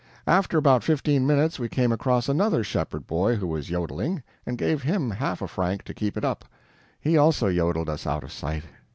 After about fifteen minutes we came across another shepherd boy who was jodeling, and gave him half a franc to keep it up. He also jodeled us out of sight.